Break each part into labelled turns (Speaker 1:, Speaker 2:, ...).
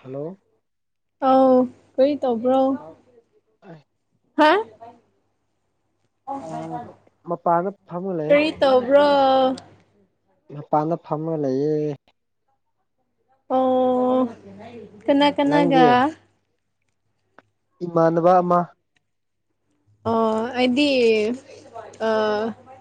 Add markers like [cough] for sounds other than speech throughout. Speaker 1: hello
Speaker 2: ꯑꯧ ꯀꯔꯤ ꯇꯧꯕ꯭ꯔꯣ ꯍꯥ
Speaker 1: ꯃꯄꯥꯟꯗ ꯐꯝꯃ ꯂꯩꯌꯦ
Speaker 2: ꯀꯔꯤ ꯇꯧꯕ꯭ꯔꯣ
Speaker 1: ꯃꯄꯥꯟꯗ ꯐꯝꯃ ꯂꯩꯌꯦ
Speaker 2: ꯑꯣ ꯀꯅꯥ
Speaker 1: ꯅꯪꯗꯤ
Speaker 2: ꯀꯅꯥꯒ
Speaker 1: ꯏꯃꯥꯟꯅꯕ ꯑꯃ
Speaker 2: ꯑꯣ ꯑꯩꯗꯤ ꯑ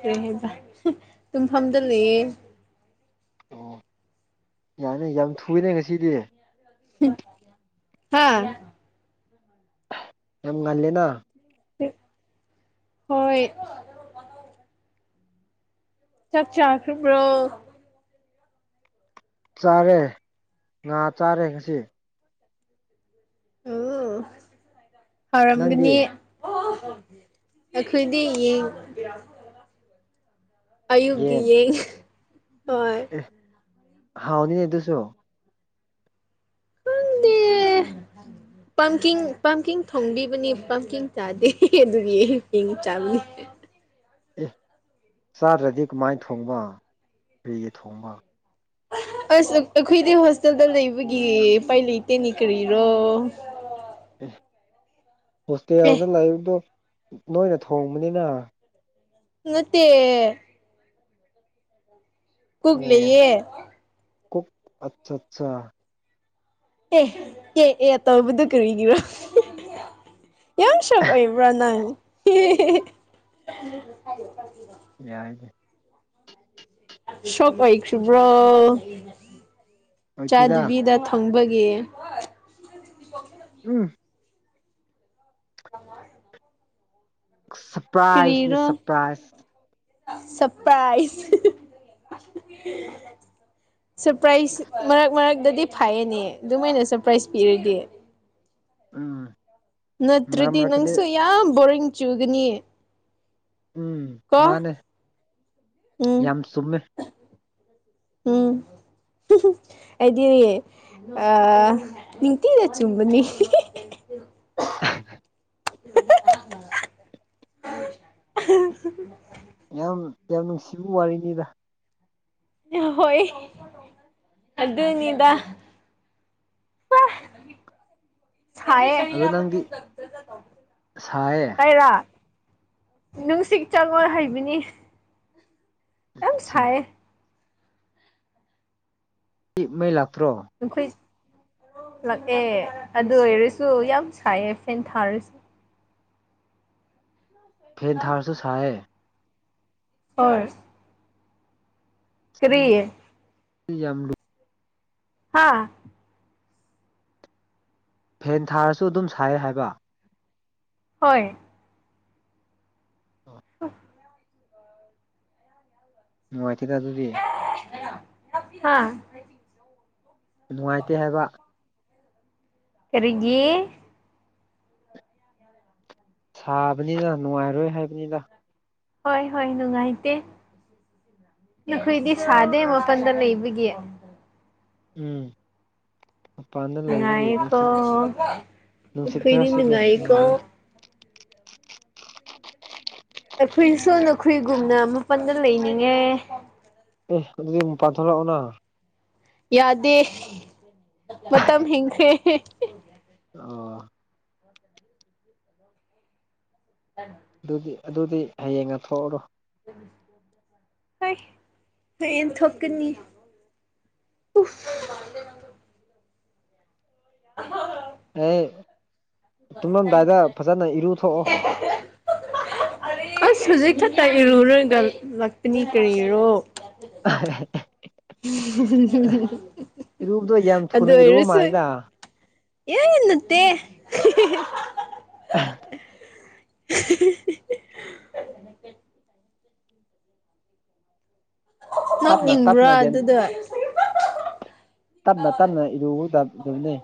Speaker 2: ꯀꯩ ꯍꯥꯢꯁꯤꯔ ꯇꯨꯡꯐꯝꯗ ꯂꯩꯌꯦ
Speaker 1: ꯑꯣ ꯌꯥꯅꯦ ꯌꯥꯝ ꯊꯨꯏꯅꯦ ꯉꯁꯤꯗꯤ
Speaker 2: ꯍꯥꯥ
Speaker 1: ꯌꯥꯝ ꯉꯥꯟꯂꯦꯅ
Speaker 2: ꯍꯣꯏ ꯆꯥꯛ ꯆꯥꯈꯕ꯭ꯔꯣ
Speaker 1: ꯆꯥꯔꯦ ꯉꯥ ꯆꯥꯔꯦ ꯉꯁꯤ
Speaker 2: ꯑꯣ
Speaker 1: ꯅꯪꯗꯤ
Speaker 2: ꯍꯥꯎꯔꯝꯒꯅꯤ ꯑꯩꯈꯣꯏꯗꯤ ꯌꯦꯡ ꯑꯌꯨꯛꯀꯤ
Speaker 1: ꯌꯦꯟ
Speaker 2: ꯌꯦꯡ ꯍꯣꯏ
Speaker 1: ꯑꯦ ꯍꯥꯎꯅꯤꯅꯦ ꯑꯗꯨꯁꯨꯣ
Speaker 2: ꯈꯪꯗꯦ
Speaker 1: [unintelligible]
Speaker 2: ꯄꯝꯀꯤꯡ ꯄꯝꯀꯤꯡ ꯊꯣꯡꯕꯤꯕꯅꯦ ꯄꯝꯀꯤꯡ ꯆꯥꯗꯦ ꯑꯗꯨꯒꯤ ꯌꯦꯡ ꯁꯤꯡꯒ ꯆꯕꯅꯦ
Speaker 1: ꯑꯦ ꯆꯥꯗ꯭ꯔꯗꯤ ꯀꯃꯥꯏꯅ ꯊꯣꯡꯕ ꯀꯔꯤꯒꯤ ꯊꯣꯡꯕ [inaudible]
Speaker 2: ꯑꯁ ꯑꯩꯈꯣꯏꯗꯤ ꯍꯣꯁꯇꯦꯜꯗ ꯂꯩꯕꯒꯤ ꯏꯄꯥꯏ ꯂꯩꯇꯦꯅꯦ ꯀꯔꯤꯔꯣ ꯑꯦ
Speaker 1: ꯍꯣꯁꯇꯦꯜꯗ ꯂꯥꯏꯔꯤꯛꯇꯣ ꯅꯣꯏꯅ ꯊꯣꯡꯕꯅꯤꯅ
Speaker 2: ꯅꯠꯇꯦ ꯀꯨꯛ
Speaker 1: ꯑꯣ
Speaker 2: ꯂꯩꯌꯦ
Speaker 1: ꯀꯨꯛ ꯑꯆꯥ ꯆꯥ
Speaker 2: ꯑꯦ ꯑꯦ ꯑꯦ ꯇꯧꯕꯗꯨ ꯀꯔꯤꯒꯤꯔꯥ ꯌꯥꯝ ꯁꯛ ꯑꯣꯏꯕ꯭ꯔ ꯅꯩꯥꯪ
Speaker 1: ꯌꯥꯏꯗ
Speaker 2: ꯁꯣꯛ ꯑꯣꯏꯈ꯭ꯔꯤꯕ꯭ꯔꯣ
Speaker 1: ꯑꯣꯏꯇꯦꯗ
Speaker 2: ꯆꯥꯗꯕꯤꯗ ꯊꯣꯡꯕꯒꯤ ꯌꯦ
Speaker 1: ꯎꯝ ꯁꯔꯄ꯭ꯔꯥꯏꯖꯅꯦ ꯁꯔꯄ꯭ꯔꯥꯏꯖ
Speaker 2: ꯁꯄ꯭ꯔꯥꯏꯁ ꯁꯔꯄ꯭ꯔꯥꯏꯁ ꯃꯔꯛ ꯃꯔꯛꯇꯗꯤ ꯐꯥꯏꯌꯦꯅꯦ ꯑꯗꯨꯃꯥꯏꯅ ꯁꯔꯄ꯭ꯔꯥꯏꯁ ꯄꯤꯔꯗꯤꯦ
Speaker 1: ꯎꯝ ꯃꯔꯛ
Speaker 2: ꯅꯠꯇ꯭ꯔꯗꯤ
Speaker 1: ꯃꯔꯛꯇꯗꯤ
Speaker 2: ꯅꯪꯁꯨ ꯌꯥꯝ ꯕꯣꯔꯤꯡ ꯆꯨꯒꯅꯤ
Speaker 1: ꯎꯝ
Speaker 2: ꯀꯣ
Speaker 1: ꯃꯥꯅꯦ
Speaker 2: ꯎꯝ
Speaker 1: ꯌꯥꯝ ꯆꯨꯝꯃꯦ
Speaker 2: ꯎꯝ
Speaker 1: [unintelligible]
Speaker 2: ꯍꯥꯏꯗꯤ ꯑ ꯅꯤꯡꯊꯤꯅ ꯆꯨꯝꯕꯅꯤ
Speaker 1: ꯎ
Speaker 2: [inaudible]
Speaker 1: ꯌꯥꯝ ꯌꯥꯝ ꯅꯨꯡꯁꯤꯕ ꯋꯥꯔꯤꯅꯤꯗ
Speaker 2: ꯍꯣꯏ ꯑꯗꯨꯅꯤꯗ ꯍ ꯁꯥꯏꯌꯦ
Speaker 1: ꯑꯗꯣ ꯅꯪꯗꯤ ꯁꯥꯏꯌꯦ
Speaker 2: ꯑꯩꯔꯣ ꯅꯨꯡꯁꯤꯠ ꯆꯪꯉꯣꯏ ꯍꯩꯕꯅꯤ ꯌꯥꯝ
Speaker 1: ꯑꯠꯆꯥ
Speaker 2: ꯁꯥꯏꯌꯦ
Speaker 1: ꯃꯩ ꯂꯥꯛ
Speaker 2: ꯅꯈꯣꯏ ꯂꯥꯛꯑꯦ ꯑꯗꯨ ꯑꯣꯏꯔꯁꯨ ꯌꯥꯝ ꯁꯥꯏꯌꯦ ꯐꯦꯟ ꯊꯥꯔꯁꯨ
Speaker 1: ꯐꯦꯟ ꯊꯥꯔꯁꯨ ꯁꯥꯏꯌꯦ
Speaker 2: ꯍꯔ ꯀꯔꯤꯌꯦ
Speaker 1: ꯌꯥꯝ ꯌꯥꯝ ꯂꯨ
Speaker 2: ꯍꯥꯥ
Speaker 1: ꯐꯦꯟ ꯊꯥꯔꯁꯨ ꯑꯗꯨꯝ ꯁꯥꯏ ꯍꯥꯏꯕ
Speaker 2: ꯍꯣꯏ ꯍ
Speaker 1: ꯅꯨꯡꯉꯥꯏꯇꯦꯗ ꯑꯗꯨꯗꯤ
Speaker 2: ꯍꯥꯥ
Speaker 1: ꯅꯨꯡꯉꯥꯏꯇꯦ ꯍꯥꯏꯕ
Speaker 2: ꯀꯔꯤꯒꯤ
Speaker 1: ꯁꯥꯕꯅꯤꯅ ꯅꯨꯡꯉꯥꯏꯔꯣꯏ ꯍꯥꯏꯕꯅꯤꯅ
Speaker 2: ꯍꯣꯏ ꯍꯣꯏ ꯅꯨꯡꯉꯥꯏꯇꯦ ꯑꯩꯈꯣꯏꯗꯤ ꯁꯥꯗꯗꯦ ꯃꯄꯟꯗ ꯂꯩꯕꯒꯤ
Speaker 1: ꯎꯝ ꯃꯄꯥꯟꯗ ꯂꯩꯕꯒꯤ
Speaker 2: ꯅꯨꯡꯉꯥꯏꯌꯦꯀꯣ
Speaker 1: ꯅꯨꯡꯁꯤꯠ ꯅꯨꯡꯁꯤꯠ ꯈꯔ
Speaker 2: ꯑꯩꯈꯣꯏꯗꯤ
Speaker 1: ꯁꯤꯠꯂꯤ
Speaker 2: ꯅꯨꯡꯉꯥꯏꯌꯦꯀꯣ
Speaker 1: ꯅꯨꯡꯉꯥꯏꯔꯦ
Speaker 2: ꯑꯩꯈꯣꯏꯁꯨ ꯅꯈꯣꯏꯒꯨꯝꯅ ꯃꯥꯄꯟꯗ ꯂꯩꯅꯤꯡꯉꯦ
Speaker 1: ꯑꯗꯨꯗꯤ ꯃꯄꯥꯟ ꯊꯣꯀꯂꯛꯑꯣꯅ
Speaker 2: ꯌꯥꯗꯦ ꯃꯇꯝ ꯍꯦꯟꯈ꯭ꯔꯦ
Speaker 1: ꯑꯣ ꯑꯗꯨꯗꯤ ꯑꯗꯨꯗꯤ ꯍꯌꯦꯡꯅ ꯊꯣꯛꯎꯔꯣ
Speaker 2: ꯍ ꯊꯣꯛꯀꯅꯤ ꯎ ꯑ
Speaker 1: ꯍ ꯇꯨꯝꯃꯝꯗꯥꯏꯗ ꯐꯖꯅ ꯏꯔꯨ ꯊꯣꯛꯣꯛꯑꯣ
Speaker 2: ꯇ ꯏꯔꯨ ꯅꯣꯏꯒꯂꯛꯇꯅꯤ ꯀꯔꯤꯔꯣ
Speaker 1: ꯑ ꯏꯔꯨꯕꯗꯣ ꯌꯥꯝ ꯊꯨꯅ ꯏꯔꯨꯕ
Speaker 2: ꯑꯗꯨꯑꯣꯏꯔꯁꯨ
Speaker 1: ꯃꯥꯜꯂꯤꯗ
Speaker 2: ꯌꯦ ꯏꯅꯠꯇꯦ
Speaker 1: [inaudible]
Speaker 2: [unintelligible] [inaudible]
Speaker 1: ꯇꯞꯅ
Speaker 2: ꯅꯣꯛꯅꯤꯡꯕ꯭ꯔꯥ
Speaker 1: ꯇꯞꯅꯒꯦꯟ
Speaker 2: ꯑꯗꯨꯗ
Speaker 1: ꯇꯞꯅ ꯇꯞꯅ ꯏꯔꯨꯗꯕꯗꯨꯕꯅꯤ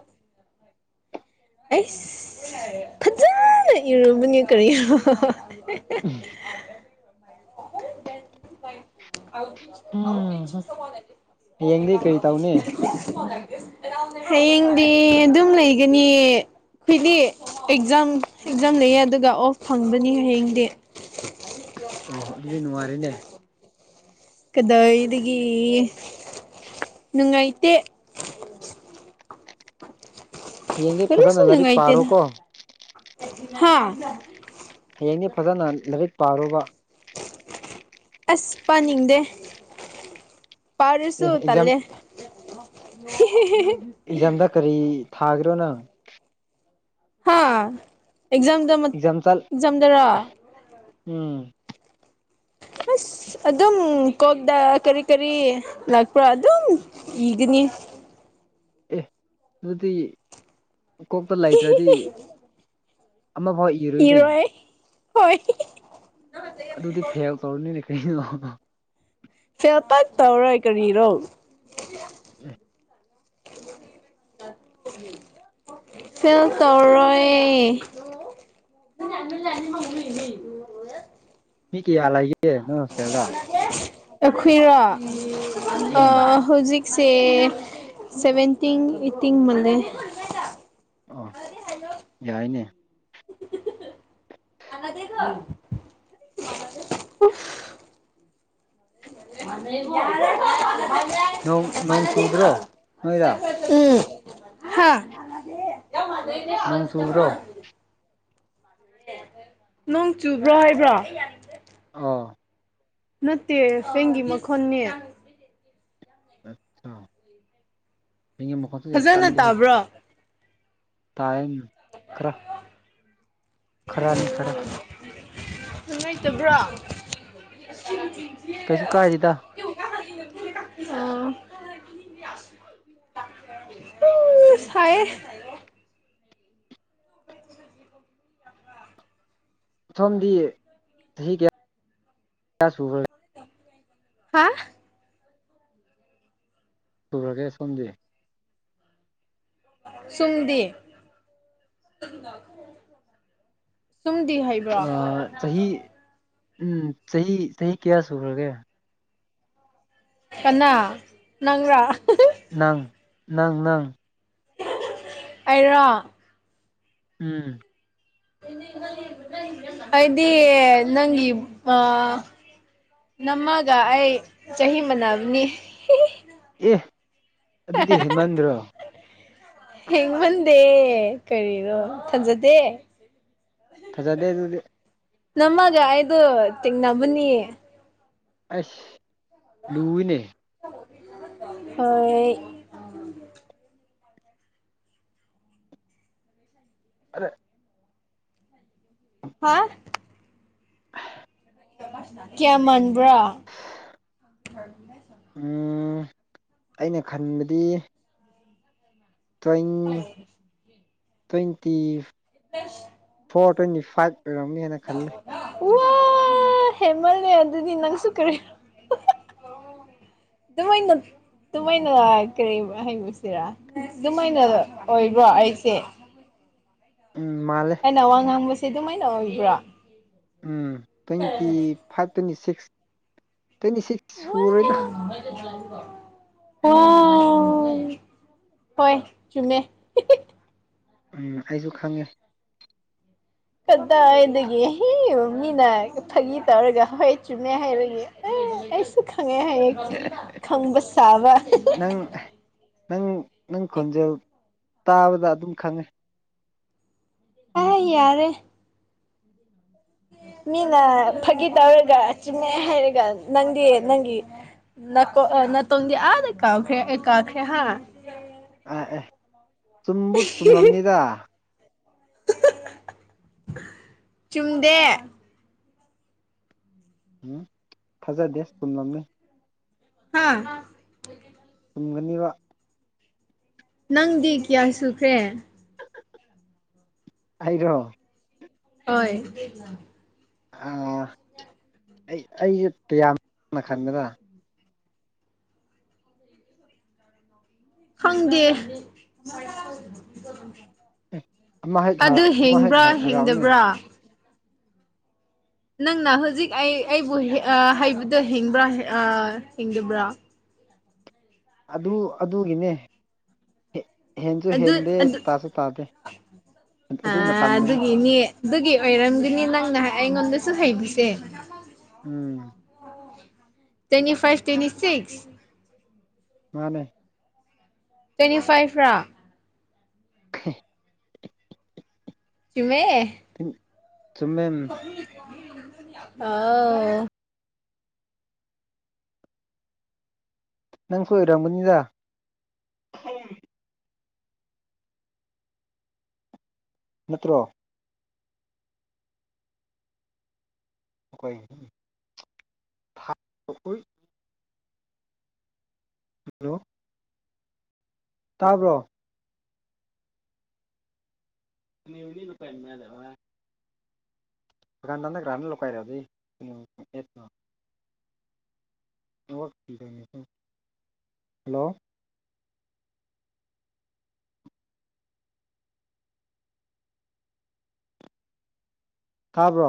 Speaker 2: ꯑꯩꯁ ꯐꯖꯅ ꯏꯔꯨꯕꯅꯤ ꯀꯔꯤꯣ [inaudible] ꯦꯁ
Speaker 1: ꯎꯝ ꯍꯌꯦꯡꯗꯤ ꯀꯔꯤ ꯇꯧꯅꯤ
Speaker 2: ꯥꯎ ꯍꯌꯦꯡꯗꯤ ꯑꯗꯨꯝ ꯂꯩꯒꯅꯤ ꯑꯩꯈꯣꯏꯗꯤ ꯑꯦꯛꯖꯥꯝ ꯑꯦꯛꯖꯥꯝ ꯂꯩꯌꯦ ꯑꯗꯨꯒ ꯑꯣꯐ ꯐꯪꯕꯅꯤ ꯍꯌꯦꯡꯗꯤ
Speaker 1: ꯑꯣ ꯑꯗꯨꯗꯤ ꯅꯨꯡꯉꯥꯏꯔꯦꯅꯦ
Speaker 2: ꯀꯗꯥꯏꯗꯒꯤ ꯉꯩꯇ
Speaker 1: ꯍꯌꯦꯡꯗꯤ
Speaker 2: ꯈꯔꯣ
Speaker 1: ꯐꯖꯅ
Speaker 2: ꯁꯣꯅ ꯉ
Speaker 1: ꯂꯥꯏꯔꯤꯛ
Speaker 2: ꯏꯇꯦꯗ
Speaker 1: ꯄꯥꯔꯣꯀꯣ
Speaker 2: ꯍꯥꯥ
Speaker 1: ꯍꯌꯦꯡꯗꯤ ꯐꯖꯅ ꯂꯥꯏꯔꯤꯛ ꯄꯥꯔꯨꯕ
Speaker 2: ꯑꯁ ꯄꯥꯅꯤꯡꯗꯦ
Speaker 1: ꯑꯦ
Speaker 2: ꯄꯔꯁꯨꯣ
Speaker 1: ꯑꯦꯛꯖꯥꯝ
Speaker 2: ꯇꯜꯦ
Speaker 1: ꯑꯦꯛꯖꯥꯝꯗ ꯀꯔꯤ ꯊꯥꯈꯔꯣꯅꯪ
Speaker 2: ꯍꯥꯥ ꯑꯦꯛꯖꯝꯗ
Speaker 1: ꯑꯦꯛꯖꯥꯝ ꯆꯠ
Speaker 2: ꯑꯦꯛꯖꯝꯗꯔ
Speaker 1: ꯎꯝ
Speaker 2: ꯑꯁ ꯑꯗꯨꯝ ꯀꯣꯛꯗ ꯀꯔꯤ ꯀꯔꯤ ꯂꯥꯛꯄ꯭ꯔꯥ ꯑꯗꯨꯝ ꯏꯒꯅꯤ
Speaker 1: ꯑꯦ ꯑꯗꯨꯗꯤ ꯀꯣꯛꯇ ꯂꯩꯇ꯭ꯔꯗꯤ ꯑꯃꯐꯥꯎ ꯏꯔꯣꯏꯏꯅꯦ
Speaker 2: ꯏꯔꯣꯏ ꯍꯣꯏ
Speaker 1: ꯑꯗꯨꯗꯤ ꯐꯦꯜ ꯇꯧꯔꯅꯤꯅꯦ ꯀꯔꯤꯅꯣꯅꯣ
Speaker 2: ꯐꯦꯜ ꯄꯠ ꯇꯧꯔꯣꯏ ꯀꯔꯤꯔꯣ
Speaker 1: ꯎꯝ
Speaker 2: ꯐꯦꯜ ꯇꯔꯣꯏ ꯌꯥꯝ ꯌꯥꯅꯤ ꯃꯃ ꯂꯩ
Speaker 1: ꯃꯤ ꯀꯌꯥꯂꯏꯌꯦꯦ ꯅꯪ ꯍꯣꯁꯇꯦꯜꯗ
Speaker 2: ꯑꯩꯈꯣꯏꯔꯥ
Speaker 1: ꯎꯝ
Speaker 2: ꯍꯧꯖꯤꯛ ꯁ ꯁꯚꯦꯟꯇꯤꯤꯡ ꯑꯩꯠꯇꯤꯤꯡ ꯃꯗꯦ
Speaker 1: ꯑ ꯌꯥꯏꯅꯦ
Speaker 2: ꯃꯅꯥꯗꯦꯒ ꯃꯕꯨ
Speaker 1: ꯅꯣꯡ ꯅꯣꯡ
Speaker 2: ꯃꯅꯕ
Speaker 1: ꯆꯨꯗ꯭ꯔꯣ ꯅꯣꯏꯗ
Speaker 2: ꯎꯝ ꯍꯥ
Speaker 1: ꯅꯣꯡ ꯆꯨꯕ꯭ꯔꯣ
Speaker 2: ꯅꯪ ꯆꯨꯕ꯭ꯔꯣ ꯍꯥꯏꯕ꯭ꯔꯣ
Speaker 1: ꯑꯣ
Speaker 2: ꯅꯠꯇꯦ ꯐꯦꯡꯒꯤ ꯃꯈꯣꯟꯅꯦ
Speaker 1: ꯑꯆꯥ ꯊ ꯃꯈꯀꯥ ꯀꯜ
Speaker 2: ꯐꯖꯅ
Speaker 1: ꯐ
Speaker 2: ꯇꯥꯕ꯭ꯔꯣ
Speaker 1: ꯇꯥꯏꯈ꯭ꯔ ꯈꯔꯅꯤ ꯈꯔ
Speaker 2: ꯅꯨꯡꯉꯥꯏꯇꯕ꯭ꯔꯥ
Speaker 1: ꯀꯩꯁꯨ ꯀꯥꯖꯤꯗ
Speaker 2: ꯑ ꯐꯌꯦ ꯭ꯔ
Speaker 1: ꯊꯣꯝꯗꯤ ꯆꯍꯤ ꯀꯌꯥꯒ
Speaker 2: ꯍꯥ
Speaker 1: ꯄꯨꯒ꯭ꯔꯒꯦ ꯁꯣꯝꯗꯤ
Speaker 2: ꯁꯨꯡꯗꯤ ꯁꯨꯝꯗꯤ ꯍꯩꯕ꯭ꯔꯥ
Speaker 1: ꯑꯥ ꯆꯍꯤ ꯎꯝ ꯆꯍꯤ ꯆꯍꯤ ꯀꯌꯥ ꯁꯨꯈ꯭ꯔꯒꯦ
Speaker 2: ꯀꯅꯥ ꯅꯪꯔꯥ ꯑ ꯍꯍ ꯍ
Speaker 1: ꯅꯪ ꯅꯪ ꯅꯪ
Speaker 2: ꯑꯩꯔꯣ
Speaker 1: ꯎꯝ
Speaker 2: ꯑꯩꯗꯤ ꯅꯪꯒꯤ ꯑꯥ ꯅꯝꯃꯒ ꯑꯩ ꯆꯍꯤ ꯃꯥꯟꯅꯕꯅꯤ ꯍꯤ ꯍꯤ ꯍꯤ
Speaker 1: ꯑꯦ ꯑꯗꯨꯗꯤ ꯍꯦꯃꯟꯗ꯭ꯔꯣ
Speaker 2: ꯍꯦꯡꯃꯗꯦ ꯀꯔꯤꯔꯣ ꯊꯥꯖꯗꯦ
Speaker 1: ꯊꯥꯖꯗꯦ ꯑꯗꯨꯗꯤ
Speaker 2: ꯅꯝꯃꯒ ꯑꯩꯗꯨ ꯇꯦꯡꯅꯕꯅꯤ
Speaker 1: ꯑꯁ ꯂꯨꯏꯅꯦ
Speaker 2: ꯍꯣꯏ
Speaker 1: ꯑꯗꯩ
Speaker 2: ꯍꯥ ꯀꯌꯥ ꯃꯥꯟꯕ꯭ꯔꯥ
Speaker 1: ꯎꯝ ꯑꯩꯅ ꯈꯟꯕꯗꯤ ꯇ꯭ꯋꯦꯟ ꯇ꯭ꯋꯦꯟꯇꯤ
Speaker 2: [unintelligible]
Speaker 1: ꯐꯣꯔ ꯇ꯭ꯋꯦꯟꯇꯤ ꯐꯥꯏꯚ ꯑꯣꯏꯔꯝꯅꯤꯅ ꯈꯜꯂꯦ
Speaker 2: ꯍꯍꯍ ꯍꯦꯜꯃꯜꯂꯦ ꯑꯗꯨꯗꯤ ꯅꯪꯁꯨꯨ ꯀꯔꯤꯔꯥ ꯑꯗꯨꯃꯥꯏꯅ ꯑꯗꯨꯃꯥꯏꯅ ꯀꯔꯤ ꯍꯪꯉꯨꯁꯤꯔꯥ ꯑꯗꯨꯃꯥꯏꯅ ꯑꯣꯏꯕ꯭ꯔꯣ ꯑꯩꯁꯦ
Speaker 1: ꯎꯝ ꯃꯥꯜꯂꯦ
Speaker 2: ꯑꯩꯅ ꯋꯥ ꯉꯥꯡꯕꯁꯦ ꯑꯗꯨꯃꯥꯏꯅ ꯑꯣꯏꯕ꯭ꯔꯥ
Speaker 1: ꯎꯝ twenty five twenty six twenty six ꯁꯨꯔꯣꯏꯗ
Speaker 2: ꯋꯥꯎꯎ ꯍꯣꯏ ꯆꯨꯝꯃꯦ ꯍꯤ ꯍꯤ
Speaker 1: ꯎꯝ ꯑꯩꯁꯨ ꯈꯪꯉꯦ
Speaker 2: ꯀꯗꯥꯋꯥꯏꯗꯒꯤ ꯍꯤ ꯃꯤꯅ ꯐꯥꯒꯤ ꯇꯧꯔꯒ ꯍꯣꯏ ꯆꯨꯝꯃꯦ ꯍꯥꯏꯔꯒꯦ ꯑꯩꯁꯨ ꯈꯪꯉꯦ ꯍꯥꯏꯌꯦ ꯈꯪꯕ ꯁꯥꯥꯕ ꯍꯤ ꯍꯤ
Speaker 1: ꯅꯪ
Speaker 2: ꯍ
Speaker 1: ꯅꯪ ꯅꯪ ꯈꯣꯟꯖꯦꯜ ꯇꯥꯕꯗ ꯑꯗꯨꯝ ꯈꯪꯉꯦ
Speaker 2: ꯑꯥꯏ ꯌꯥꯔꯦ ꯃꯤꯅ ꯐꯥꯒꯤ ꯇꯧꯔꯒ ꯆꯨꯝꯃꯦ ꯍꯥꯏꯔꯒ ꯅꯪꯗꯤ ꯅꯪꯒꯤ ꯅꯀꯣ ꯑ ꯅꯥꯇꯣꯟꯗꯤ ꯑꯗꯥ ꯀꯥꯎꯈ꯭ꯔꯦ ꯑꯦ ꯀꯥꯈ꯭ꯔꯦ ꯍꯥ
Speaker 1: ꯑꯥ ꯑꯦ ꯆꯨꯝꯕꯨ ꯆꯨꯝꯂꯝꯅꯤꯗ
Speaker 2: ꯍꯥ ꯍꯥ ꯍꯍ ꯍ ꯆꯨꯝꯗꯦ
Speaker 1: ꯎꯝ ꯊꯥꯖꯗꯦ ꯆꯨꯝꯂꯝꯅꯤ
Speaker 2: ꯍꯥ
Speaker 1: ꯆꯨꯝꯒꯅꯤꯕ
Speaker 2: ꯅꯪꯗꯤ ꯀꯌꯥ ꯁꯨꯈ꯭ꯔꯦ
Speaker 1: ꯑꯩꯔꯣ
Speaker 2: ꯍꯣꯏ
Speaker 1: ꯑ ꯑꯩ ꯑꯩꯁꯨ ꯀꯌꯥꯝꯅ ꯈꯟꯒꯗ꯭ꯔꯥ
Speaker 2: ꯈꯪꯗꯦ
Speaker 1: ꯑꯃ ꯍꯦꯛ
Speaker 2: ꯑꯗꯨ
Speaker 1: ꯑꯃ ꯍꯦꯛ
Speaker 2: ꯍꯤꯡꯕ꯭ꯔꯥ
Speaker 1: ꯍꯥꯏꯔꯛꯑꯣꯅꯦ
Speaker 2: ꯍꯤꯡꯗꯕ꯭ꯔꯥ ꯅꯪꯅ ꯍꯧꯖꯤꯛ ꯑꯩ ꯑꯩꯕꯨ ꯍꯦ ꯑꯥ ꯍꯥꯏꯕꯗꯣ ꯍꯤꯡꯕ꯭ꯔꯥ ꯍꯤꯡ ꯑꯥ ꯍꯤꯡꯗꯕ꯭ꯔꯥ
Speaker 1: ꯑꯗꯨ ꯑꯗꯨꯒꯤꯅꯦ ꯍꯦꯟꯁꯨ
Speaker 2: ꯑꯗꯨ
Speaker 1: ꯍꯦꯟꯗꯦ
Speaker 2: ꯑꯗꯨ
Speaker 1: ꯇꯥꯁꯨ ꯇꯥꯗꯦ ꯑꯗꯨ ꯃꯇꯝꯗꯅꯦ
Speaker 2: ꯑꯗꯨꯒꯤꯅꯤ ꯑꯗꯨꯒꯤ ꯑꯣꯏꯔꯝꯒꯅꯤ ꯅꯪꯅ ꯑꯩꯉꯣꯟꯗꯁꯨ ꯍꯩꯕꯤꯁꯦ
Speaker 1: ꯎꯝ
Speaker 2: ꯇ꯭ꯋꯦꯟꯇꯤ ꯐꯥꯏꯚ ꯇ꯭ꯋꯦꯟꯇꯤ ꯁꯤꯛꯁ
Speaker 1: ꯃꯥꯅꯦ
Speaker 2: ꯇ꯭ꯋꯦꯟꯇꯤ ꯐꯥꯏꯚ ꯔꯥ
Speaker 1: ꯍ [unintelligible] [inaudible]
Speaker 2: ꯆꯨꯝꯃꯦ
Speaker 1: ꯆꯨꯝꯃꯦ
Speaker 2: ꯑꯥꯎ
Speaker 1: ꯅꯪꯁꯨ ꯑꯣꯏꯔꯝꯒꯅꯤꯗ ꯅꯠꯇ꯭ꯔꯣ ꯣꯏ ꯐ [unintelligible] [inaudible] ꯍꯜꯂꯣ ꯇꯥꯕ꯭ꯔꯣ ꯅꯤ ꯂꯨꯄꯥꯥꯏ ꯌꯥꯗ [unintelligible] [inaudible] ꯗꯨꯀꯥꯟꯗꯥꯟꯗꯒ꯭ꯔꯥꯅ ꯂꯨꯀꯥꯏꯔꯗꯤ [unintelligible] [inaudible] ꯍꯜꯂꯣ [unintelligible] [inaudible] ꯇꯕ꯭ꯔꯣ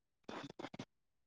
Speaker 1: [unintelligible] [inaudible]